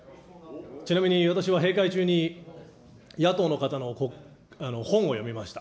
ちなみに私は閉会中に野党の方の本を読みました。